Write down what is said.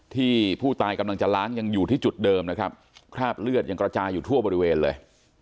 ที่ผู้ตายกำลังจะล้างยังอยู่ที่จุดเดิมนะครับคราบเลือดยังกระจายอยู่ทั่วบริเวณเลย